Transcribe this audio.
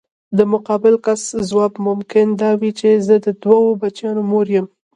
د مقابل کس ځواب ممکن دا وي چې زه د دوه بچیانو مور یم.